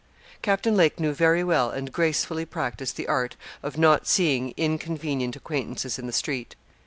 Captain Lake knew very well and gracefully practised the art of not seeing inconvenient acquaintances in the street.